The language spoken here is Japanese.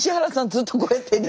ずっとこうやってて。